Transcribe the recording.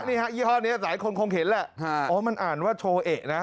นี่ฮะยี่ห้อนี้หลายคนคงเห็นแหละอ๋อมันอ่านว่าโชว์เอะนะ